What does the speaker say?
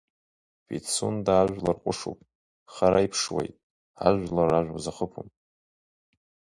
Пицунда ажәлар ҟәышуп, хара иԥшуеит, ажәлар ражәа узахыԥом…